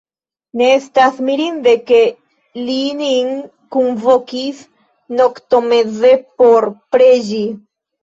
Ne estas mirinde, ke li nin kunvokis noktomeze por preĝi.